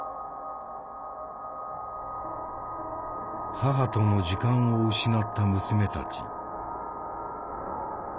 母との時間を失った娘たち。